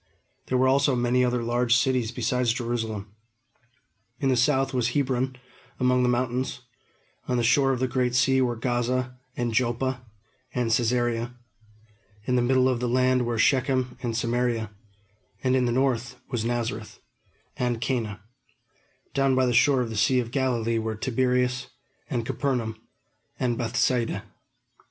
There were also many other large cities besides Jerusalem. In the south was Hebron among the mountains; on the shore of the Great Sea were Gaza, and Joppa, and Cæsarea; in the middle of the land were Shechem and Samaria; and in the north were Nazareth, and Cana; down by the shore of the Sea of Galilee were Tiberias, and Capernaum, and Bethsaida.